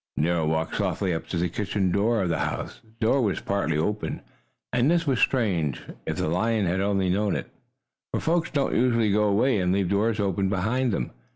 Nero walked softly up to the kitchen door of the house. The door was partly open, and this was strange, if the lion had only known it, for folks don't usually go away and leave doors open behind them.